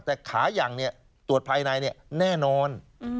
แต่ขายังตรวจภายในแน่นอน